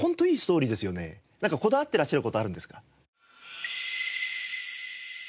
なんかこだわってらっしゃる事あるんですか？